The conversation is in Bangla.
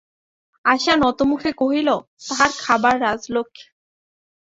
আশা নতমুখে কহিল, তাঁহার খাবার– রাজলক্ষ্মী।